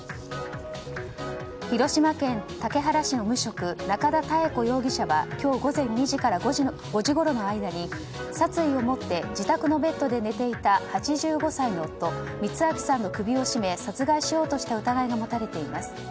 広島県竹原市の無職中田妙子容疑者は今日午前２時から５時ごろの間に殺意を持って自宅のベッドで寝ていた８５歳の夫・光昭さんの首を絞め、殺害しようとした疑いが持たれています。